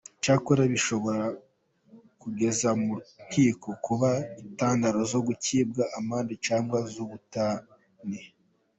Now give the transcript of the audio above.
Cyakora bishobora kukugeza mu nkiko, kuba intandaro zo gucibwa amande cyangwa z’ubutane.